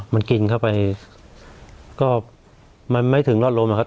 มันกินเข้าไปก็มันไม่ถึงรอดลมอะครับ